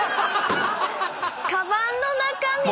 かばんの中身。